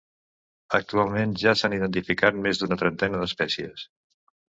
Actualment ja s'han identificat més d'una trentena d'espècies.